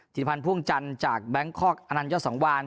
พันธ์พ่วงจันทร์จากแบงคอกอนันยอดสังวาน